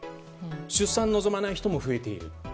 出産を望まない人も増えている。